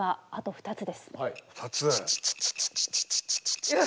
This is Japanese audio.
２つ。